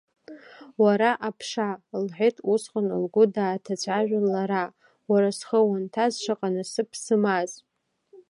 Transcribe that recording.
Уара аԥша, — лҳәеит усҟан лгәы дааҭацәажәан лара, уара схы уанҭаз шаҟа насыԥ сымааз!